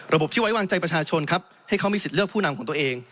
ที่ไว้วางใจประชาชนครับให้เขามีสิทธิ์เลือกผู้นำของตัวเอง